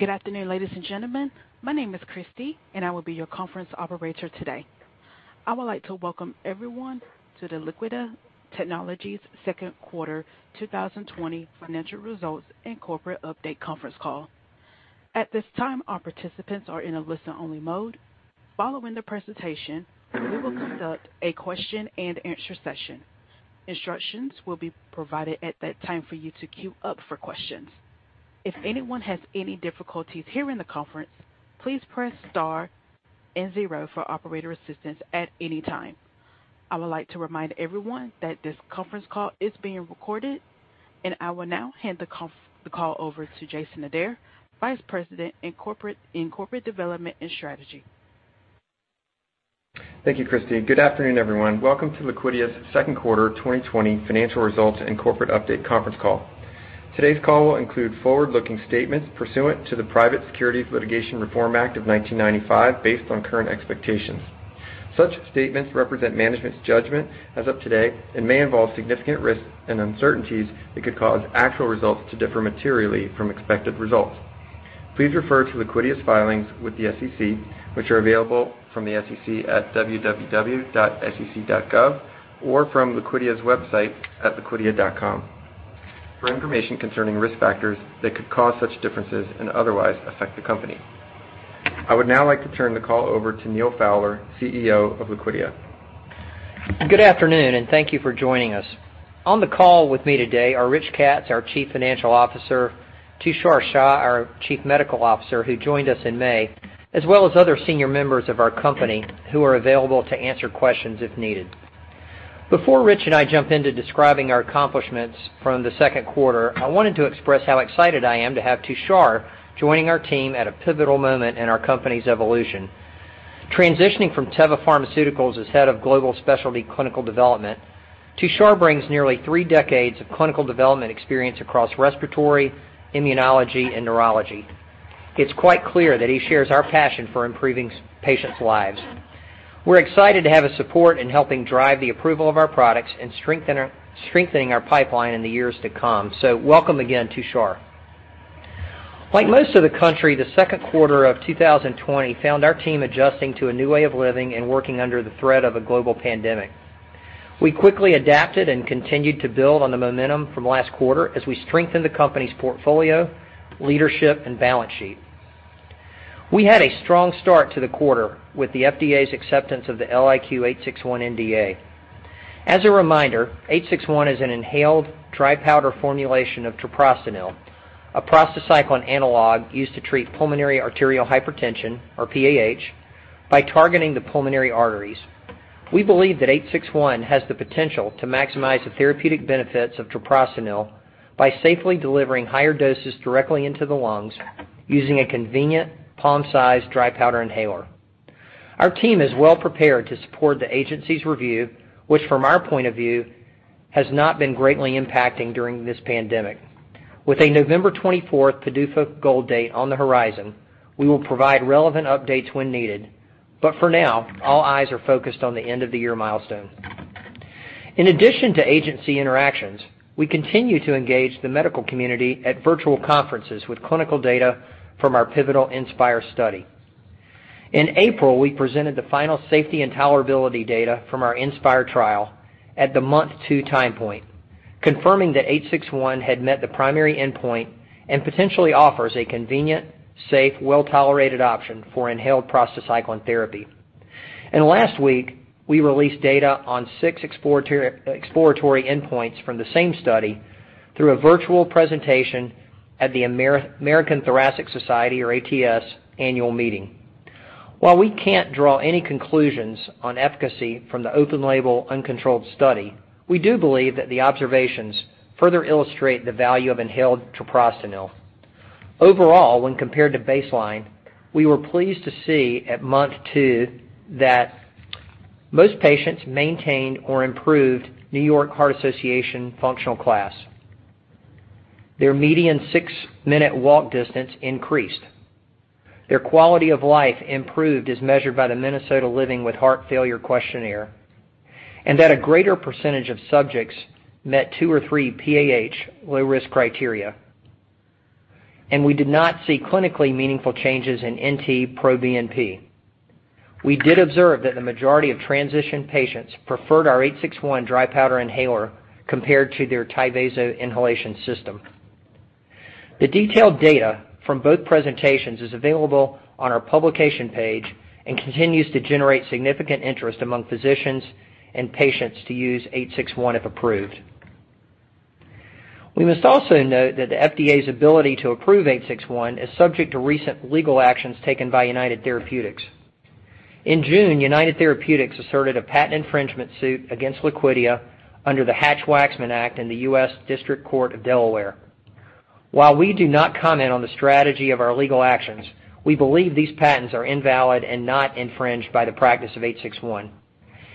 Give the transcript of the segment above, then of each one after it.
Good afternoon, ladies and gentlemen. My name is Christy and I will be your conference operator today. I would like to welcome everyone to the Liquidia Technologies second quarter 2020 financial results and corporate update conference call. At this time, our participants are in a listen-only mode. Following the presentation, we will conduct a question-and-answer session. Instructions will be provided at that time for you to queue up for questions. If anyone has any difficulties hearing the conference, please press star and zero for operator assistance at any time. I would like to remind everyone that this conference call is being recorded, and I will now hand the call over to Jason Adair, Vice President in Corporate Development and Strategy. Thank you, Christy. Good afternoon, everyone. Welcome to Liquidia's second quarter 2020 financial results and corporate update conference call. Today's call will include forward-looking statements pursuant to the Private Securities Litigation Reform Act of 1995, based on current expectations. Such statements represent management's judgment as of today and may involve significant risks and uncertainties that could cause actual results to differ materially from expected results. Please refer to Liquidia's filings with the SEC, which are available from the SEC at www.sec.gov or from Liquidia's website at liquidia.com for information concerning risk factors that could cause such differences and otherwise affect the company. I would now like to turn the call over to Neal Fowler, CEO of Liquidia. Good afternoon, and thank you for joining us. On the call with me today are Rich Katz, our Chief Financial Officer, Tushar Shah, our Chief Medical Officer, who joined us in May, as well as other senior members of our company who are available to answer questions if needed. Before Rich and I jump into describing our accomplishments from the second quarter, I wanted to express how excited I am to have Tushar joining our team at a pivotal moment in our company's evolution. Transitioning from Teva Pharmaceuticals as Head of Global Specialty Clinical Development, Tushar brings nearly three decades of clinical development experience across respiratory, immunology, and neurology. It's quite clear that he shares our passion for improving patients' lives. We're excited to have his support in helping drive the approval of our products and strengthening our pipeline in the years to come. Welcome again, Tushar. Like most of the country, the second quarter of 2020 found our team adjusting to a new way of living and working under the threat of a global pandemic. We quickly adapted and continued to build on the momentum from last quarter as we strengthened the company's portfolio, leadership, and balance sheet. We had a strong start to the quarter with the FDA's acceptance of the LIQ861 NDA. As a reminder, 861 is an inhaled dry powder formulation of treprostinil, a prostacyclin analog used to treat pulmonary arterial hypertension, or PAH, by targeting the pulmonary arteries. We believe that 861 has the potential to maximize the therapeutic benefits of treprostinil by safely delivering higher doses directly into the lungs using a convenient palm-sized dry powder inhaler. Our team is well prepared to support the agency's review, which from our point of view, has not been greatly impacted during this pandemic. With a November 24th PDUFA goal date on the horizon, we will provide relevant updates when needed. For now, all eyes are focused on the end of the year milestone. In addition to agency interactions, we continue to engage the medical community at virtual conferences with clinical data from our pivotal INSPIRE study. In April, we presented the final safety and tolerability data from our INSPIRE trial at the month two time point, confirming that 861 had met the primary endpoint and potentially offers a convenient, safe, well-tolerated option for inhaled prostacyclin therapy. Last week, we released data on six exploratory endpoints from the same study through a virtual presentation at the American Thoracic Society, or ATS, annual meeting. While we can't draw any conclusions on efficacy from the open label uncontrolled study, we do believe that the observations further illustrate the value of inhaled treprostinil. Overall, when compared to baseline, we were pleased to see at month two that most patients maintained or improved New York Heart Association functional class. Their median six-minute walk distance increased. Their quality of life improved as measured by the Minnesota Living with Heart Failure Questionnaire, and that a greater percentage of subjects met two or three PAH low-risk criteria. We did not see clinically meaningful changes in NT-proBNP. We did observe that the majority of transition patients preferred our LIQ861 dry powder inhaler compared to their Tyvaso inhalation system. The detailed data from both presentations is available on our publication page and continues to generate significant interest among physicians and patients to use LIQ861 if approved. We must also note that the FDA's ability to approve LIQ861 is subject to recent legal actions taken by United Therapeutics. In June, United Therapeutics asserted a patent infringement suit against Liquidia under the Hatch-Waxman Act in the United States District Court for the District of Delaware. We do not comment on the strategy of our legal actions, we believe these patents are invalid and not infringed by the practice of LIQ861,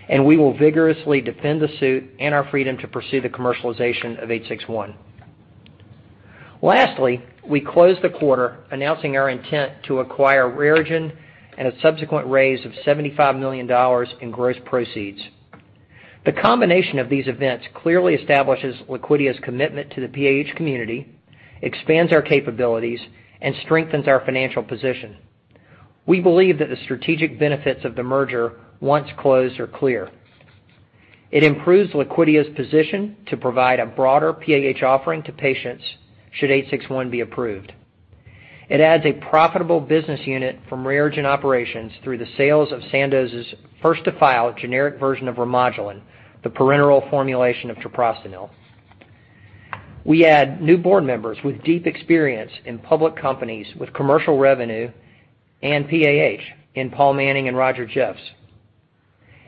and we will vigorously defend the suit and our freedom to pursue the commercialization of LIQ861. Lastly, we closed the quarter announcing our intent to acquire RareGen and a subsequent raise of $75 million in gross proceeds. The combination of these events clearly establishes Liquidia's commitment to the PAH community, expands our capabilities, and strengthens our financial position. We believe that the strategic benefits of the merger, once closed, are clear. It improves Liquidia's position to provide a broader PAH offering to patients should LIQ861 be approved. It adds a profitable business unit from RareGen operations through the sales of Sandoz's first-to-file generic version of Remodulin, the parenteral formulation of treprostinil. We add new board members with deep experience in public companies with commercial revenue and PAH in Paul Manning and Roger Jeffs.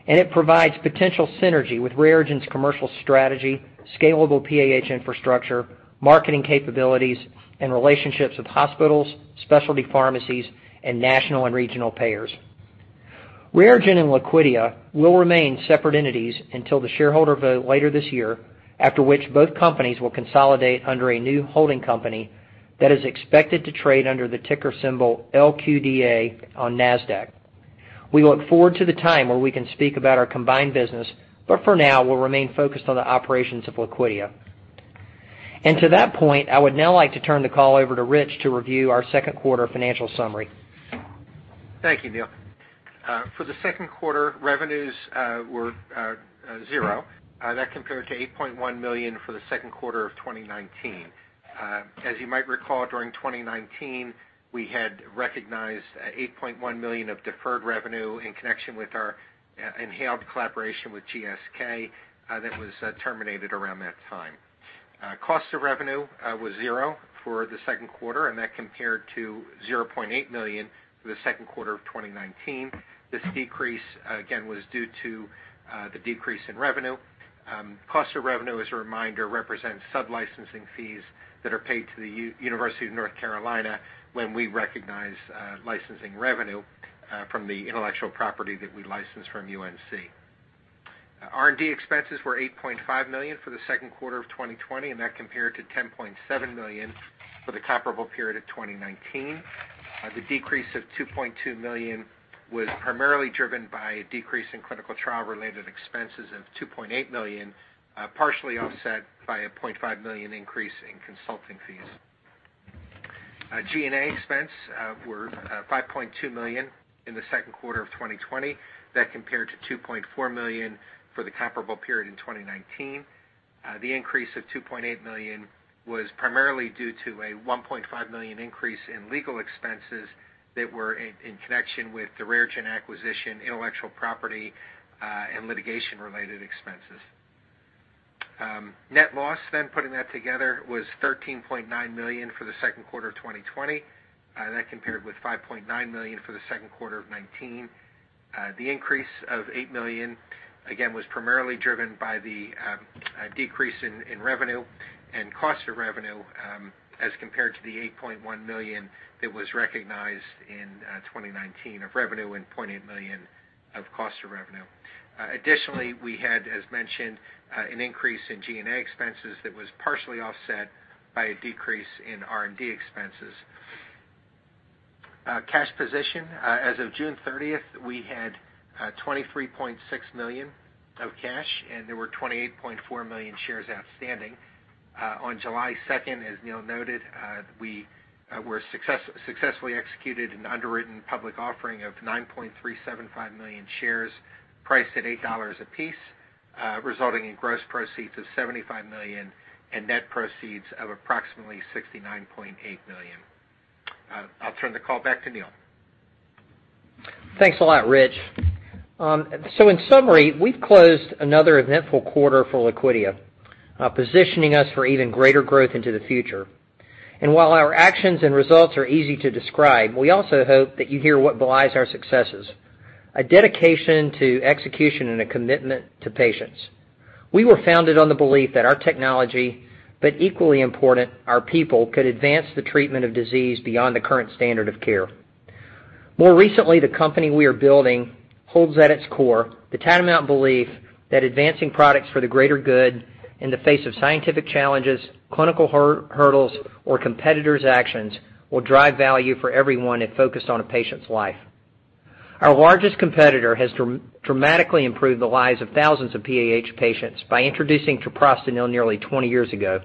It provides potential synergy with RareGen's commercial strategy, scalable PAH infrastructure, marketing capabilities, and relationships with hospitals, specialty pharmacies, and national and regional payers. RareGen and Liquidia will remain separate entities until the shareholder vote later this year, after which both companies will consolidate under a new holding company that is expected to trade under the ticker symbol LQDA on Nasdaq. We look forward to the time where we can speak about our combined business, but for now, we'll remain focused on the operations of Liquidia. To that point, I would now like to turn the call over to Rich to review our second quarter financial summary. Thank you, Neal. For the second quarter, revenues were zero. That compared to $8.1 million for the second quarter of 2019. As you might recall, during 2019, we had recognized $8.1 million of deferred revenue in connection with our inhaled collaboration with GSK that was terminated around that time. Cost of revenue was zero for the second quarter, and that compared to $0.8 million for the second quarter of 2019. This decrease, again, was due to the decrease in revenue. Cost of revenue, as a reminder, represents sublicensing fees that are paid to the University of North Carolina when we recognize licensing revenue from the intellectual property that we license from UNC. R&D expenses were $8.5 million for the second quarter of 2020, and that compared to $10.7 million for the comparable period of 2019. The decrease of $2.2 million was primarily driven by a decrease in clinical trial-related expenses of $2.8 million, partially offset by a $0.5 million increase in consulting fees. G&A expense were $5.2 million in the second quarter of 2020. That compared to $2.4 million for the comparable period in 2019. The increase of $2.8 million was primarily due to a $1.5 million increase in legal expenses that were in connection with the RareGen acquisition, intellectual property, and litigation-related expenses. Net loss, putting that together, was $13.9 million for the second quarter of 2020. That compared with $5.9 million for the second quarter of 2019. The increase of $8 million, again, was primarily driven by the decrease in revenue and cost of revenue as compared to the $8.1 million that was recognized in 2019 of revenue and $0.8 million of cost of revenue. Additionally, we had, as mentioned, an increase in G&A expenses that was partially offset by a decrease in R&D expenses. Cash position. As of June 30th, we had $23.6 million of cash, and there were 28.4 million shares outstanding. On July 2nd, as Neal noted, we successfully executed an underwritten public offering of 9.375 million shares priced at $8 apiece, resulting in gross proceeds of $75 million and net proceeds of approximately $69.8 million. I'll turn the call back to Neal. Thanks a lot, Rich. In summary, we've closed another eventful quarter for Liquidia, positioning us for even greater growth into the future. While our actions and results are easy to describe, we also hope that you hear what belies our successes, a dedication to execution and a commitment to patients. We were founded on the belief that our technology, but equally important, our people, could advance the treatment of disease beyond the current standard of care. More recently, the company we are building holds at its core the tantamount belief that advancing products for the greater good in the face of scientific challenges, clinical hurdles, or competitors' actions will drive value for everyone if focused on a patient's life. Our largest competitor has dramatically improved the lives of thousands of PAH patients by introducing treprostinil nearly 20 years ago.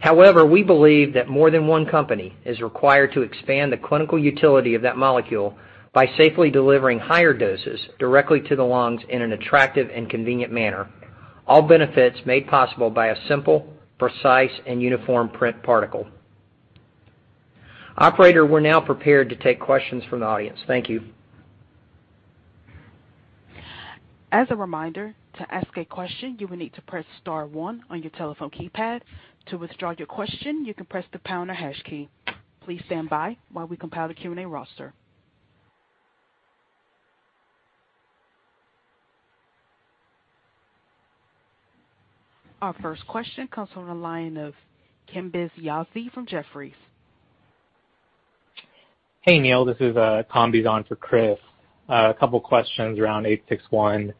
However, we believe that more than one company is required to expand the clinical utility of that molecule by safely delivering higher doses directly to the lungs in an attractive and convenient manner, all benefits made possible by a simple, precise, and uniform PRINT particle. Operator, we're now prepared to take questions from the audience. Thank you. As a reminder, to ask a question, you will need to press star one on your telephone keypad. To withdraw your question, you can press the pound or hash key. Please stand by while we compile the Q&A roster. Our first question comes from the line of Kambiz Yazdi from Jefferies. Hey, Neal, this is Kambiz on for Chris. A couple questions around LIQ861.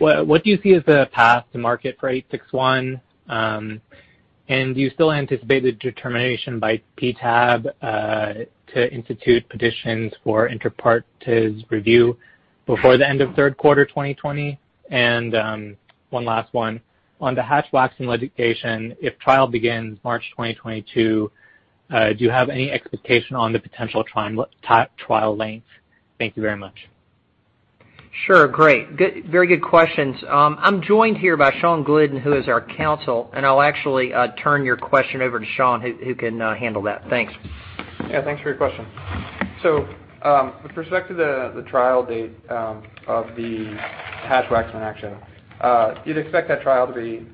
What do you see as the path to market for LIQ861? Do you still anticipate the determination by PTAB to institute petitions for inter partes review before the end of third quarter 2020? One last one. On the Hatch-Waxman litigation, if trial begins March 2022, do you have any expectation on the potential trial length? Thank you very much. Sure. Great. Very good questions. I'm joined here by Shawn Glidden, who is our counsel, and I'll actually turn your question over to Shawn, who can handle that. Thanks. Yeah, thanks for your question. With respect to the trial date of the Hatch-Waxman action, you'd expect that trial to be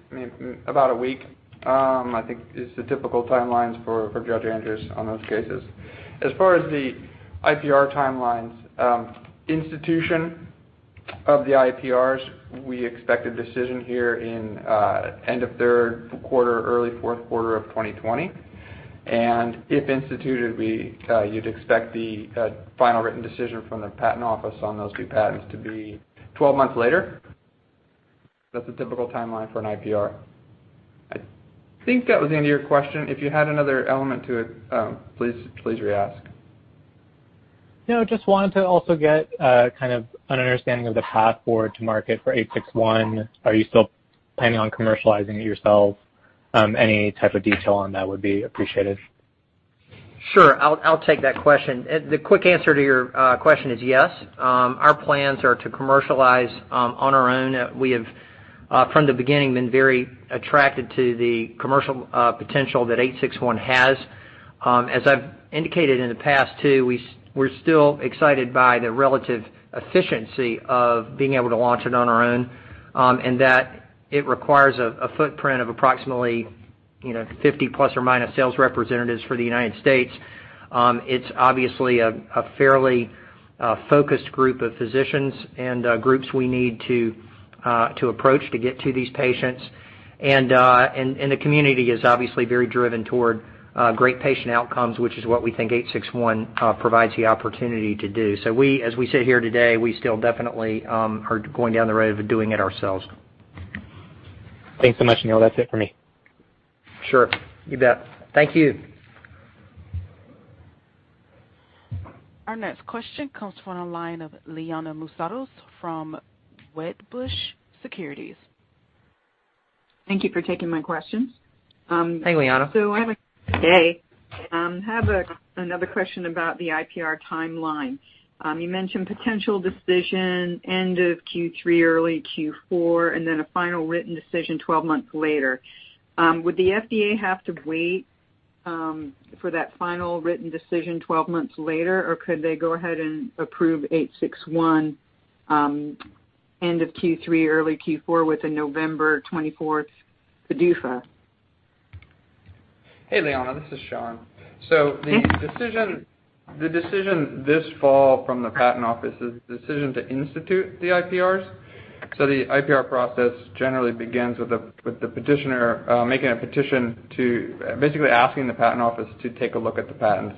about a week, I think is the typical timelines for Judge Andrews on those cases. As far as the IPR timelines, institution of the IPRs, we expect a decision here in end of third quarter, early fourth quarter of 2020. If instituted, you'd expect the final written decision from the patent office on those two patents to be 12 months later. That's a typical timeline for an IPR. I think that was the end of your question. If you had another element to it, please re-ask. Just wanted to also get kind of an understanding of the path forward to market for LIQ861. Are you still planning on commercializing it yourselves? Any type of detail on that would be appreciated. Sure. I'll take that question. The quick answer to your question is yes. Our plans are to commercialize on our own. We have, from the beginning, been very attracted to the commercial potential that LIQ861 has. As I've indicated in the past too, we're still excited by the relative efficiency of being able to launch it on our own, and that it requires a footprint of approximately 50 plus or minus sales representatives for the United States. It's obviously a fairly focused group of physicians and groups we need to approach to get to these patients. The community is obviously very driven toward great patient outcomes, which is what we think LIQ861 provides the opportunity to do. As we sit here today, we still definitely are going down the road of doing it ourselves. Thanks so much, Neal. That's it for me. Sure. You bet. Thank you. Our next question comes from the line of Liana Moussatos from Wedbush Securities. Thank you for taking my questions. Hey, Liana. I have another question about the IPR timeline. You mentioned potential decision end of Q3, early Q4, and then a final written decision 12 months later. Would the FDA have to wait for that final written decision 12 months later, or could they go ahead and approve LIQ861 end of Q3, early Q4 with the November 24th PDUFA? Hey, Liana, this is Shawn. The decision this fall from the patent office is the decision to institute the IPRs. The IPR process generally begins with the petitioner making a petition to basically asking the patent office to take a look at the patents.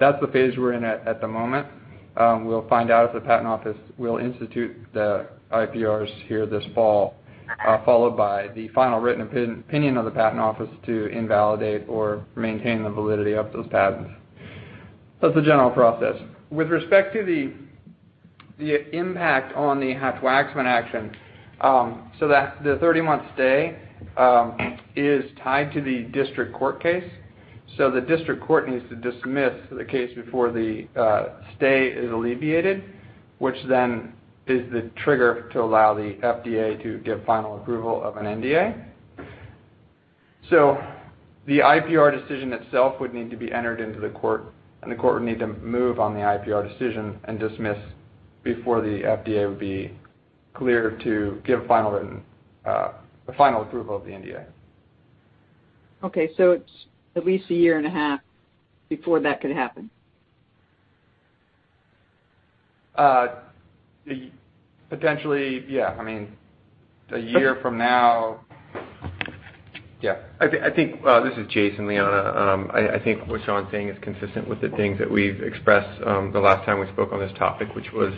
That's the phase we're in at the moment. We'll find out if the patent office will institute the IPRs here this fall, followed by the final written opinion of the patent office to invalidate or maintain the validity of those patents. That's the general process. With respect to the impact on the Hatch-Waxman action, so the 30-month stay is tied to the district court case. The district court needs to dismiss the case before the stay is alleviated, which then is the trigger to allow the FDA to give final approval of an NDA. The IPR decision itself would need to be entered into the court, and the court would need to move on the IPR decision and dismiss before the FDA would be clear to give a final approval of the NDA. Okay, it's at least a year and a half before that could happen. Potentially, yeah. A year from now, yeah. This is Jason, Liana. I think what Shawn's saying is consistent with the things that we've expressed the last time we spoke on this topic, which was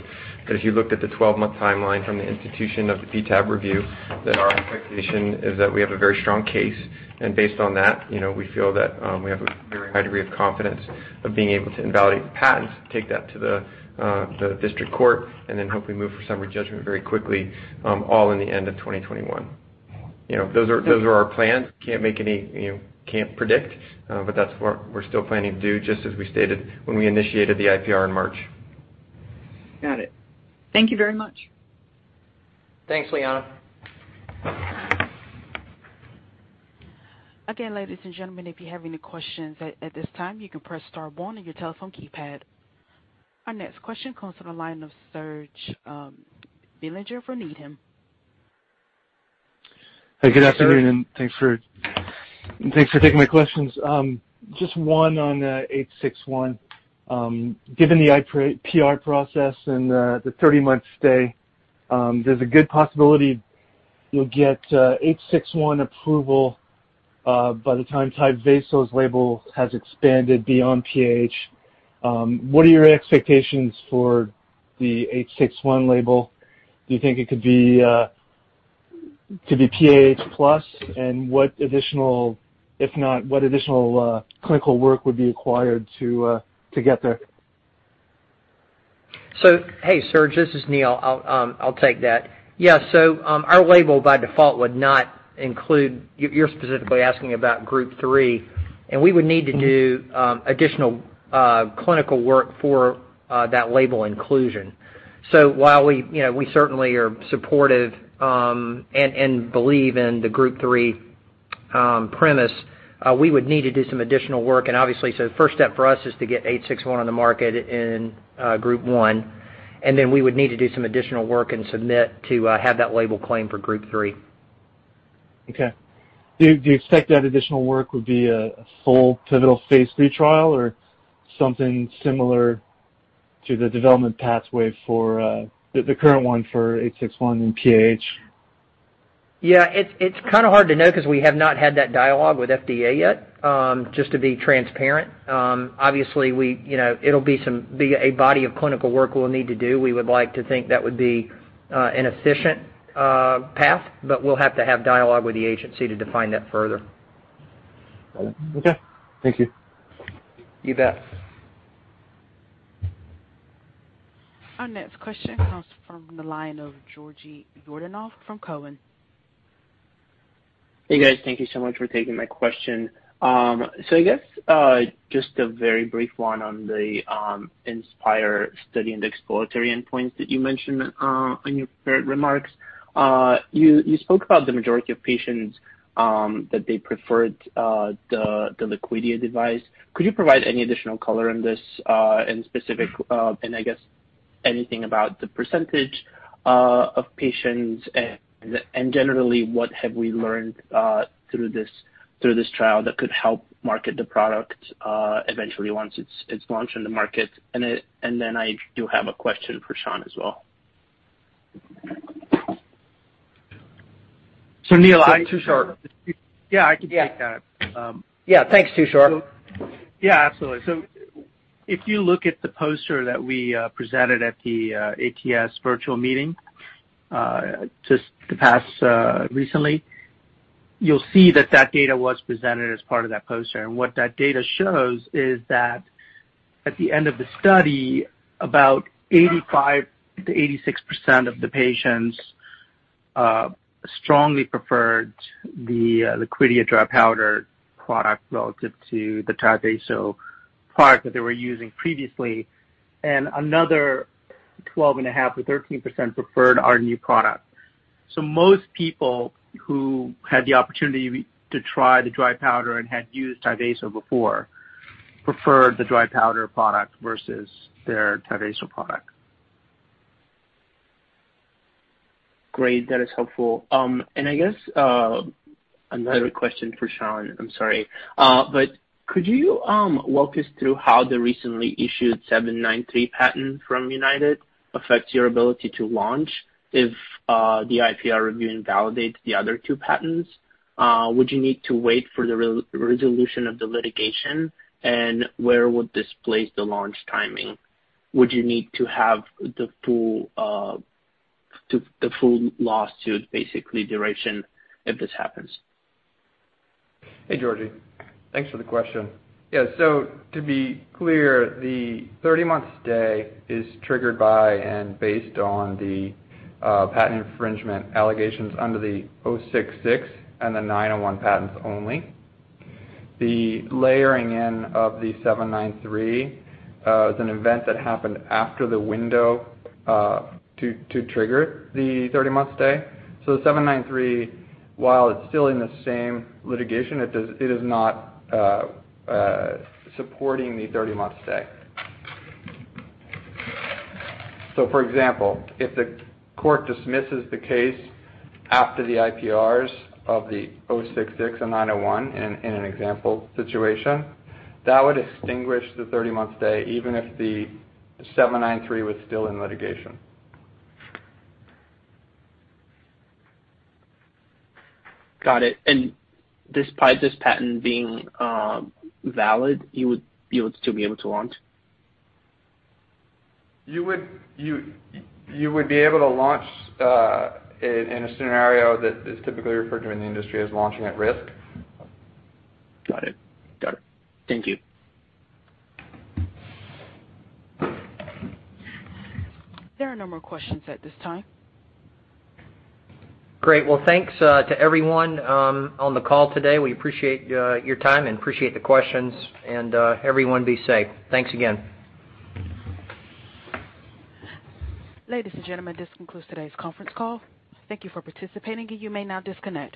that if you looked at the 12-month timeline from the institution of the PTAB review, that our expectation is that we have a very strong case, and based on that we feel that we have a very high degree of confidence of being able to invalidate the patents, take that to the district court, and then hopefully move for summary judgment very quickly all in the end of 2021. Those are our plans. Can't predict, but that's what we're still planning to do, just as we stated when we initiated the IPR in March. Got it. Thank you very much. Thanks, Liana. Again, ladies and gentlemen, if you have any questions at this time, you can press star one on your telephone keypad. Our next question comes from the line of Serge Belanger from Needham. Good afternoon, and thanks for taking my questions. Just one on LIQ861. Given the IPR process and the 30-month stay, there's a good possibility you'll get LIQ861 approval by the time Tyvaso's label has expanded beyond PAH. What are your expectations for the LIQ861 label? Do you think it could be PAH plus? If not, what additional clinical work would be required to get there? Hey, Serge. This is Neal. I'll take that. Yeah. Our label by default would not include You're specifically asking about Group 3, we would need to do additional clinical work for that label inclusion. While we certainly are supportive and believe in the Group 3 premise, we would need to do some additional work. Obviously, the first step for us is to get LIQ861 on the market in Group 1, then we would need to do some additional work and submit to have that label claim for Group 3. Okay. Do you expect that additional work would be a full pivotal phase III trial or something similar to the development pathway for the current one for LIQ861 in PAH? Yeah, it's kind of hard to know because we have not had that dialogue with FDA yet. Just to be transparent. Obviously, it'll be a body of clinical work we'll need to do. We would like to think that would be an efficient path, we'll have to have dialogue with the agency to define that further. Okay. Thank you. You bet. Our next question comes from the line of Georgi Yordanov from Cowen. Hey, guys. Thank you so much for taking my question. I guess, just a very brief one on the INSPIRE study and the exploratory endpoints that you mentioned in your prepared remarks. You spoke about the majority of patients, that they preferred the Liquidia device. Could you provide any additional color on this in specific, and I guess anything about the percentage of patients and generally what have we learned through this trial that could help market the product eventually once it's launched in the market? I do have a question for Shawn as well. Neal- Tushar. Yeah, I can take that. Yeah. Thanks, Tushar. Yeah, absolutely. If you look at the poster that we presented at the ATS virtual meeting, just the past recently, you'll see that data was presented as part of that poster. What that data shows is that at the end of the study, about 85%-86% of the patients strongly preferred the Liquidia dry powder product relative to the Tyvaso product that they were using previously. Another 12.5%-13% preferred our new product. Most people who had the opportunity to try the dry powder and had used Tyvaso before preferred the dry powder product versus their Tyvaso product. Great. That is helpful. I guess, another question for Shawn, I'm sorry. Could you walk us through how the recently issued 793 patent from United affects your ability to launch if the IPR review invalidates the other two patents? Would you need to wait for the resolution of the litigation, and where would this place the launch timing? Would you need to have the full lawsuit, basically duration, if this happens? Hey, Georgi. Thanks for the question. Yeah, to be clear, the 30-month stay is triggered by and based on the patent infringement allegations under the 066 and the 901 patents only. The layering in of the 793, is an event that happened after the window to trigger the 30-month stay. The 793, while it's still in the same litigation, it is not supporting the 30-month stay. For example, if the court dismisses the case after the IPRs of the 066 and 901 in an example situation, that would extinguish the 30-month stay even if the 793 was still in litigation. Got it. Despite this patent being valid, you would still be able to launch? You would be able to launch, in a scenario that is typically referred to in the industry as launching at risk. Got it. Thank you. There are no more questions at this time. Great. Well, Thanks to everyone on the call today. We appreciate your time and appreciate the questions. Everyone be safe. Thanks again. Ladies and gentlemen, this concludes today's conference call. Thank you for participating. You may now disconnect.